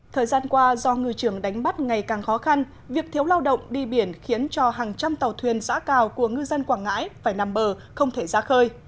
thời gian qua do ngư trường đánh bắt ngày càng khó khăn việc thiếu lao động đi biển khiến cho hàng trăm tàu thuyền giã cào của ngư dân quảng ngãi phải nằm bờ không thể ra khơi